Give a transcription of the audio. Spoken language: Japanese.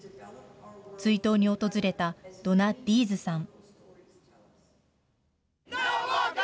追悼に訪れたドナ・ディーズさん。